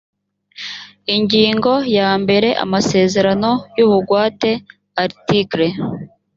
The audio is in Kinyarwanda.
ingingo ya mbere amasezerano y ubugwate article